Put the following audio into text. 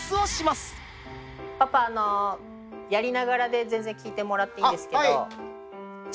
パパやりながらで全然聞いてもらっていいんですけど。